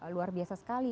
luar biasa sekali